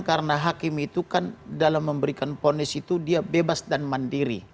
karena hakim itu kan dalam memberikan ponis itu dia bebas dan mandiri